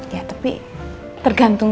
ya tapi tergantung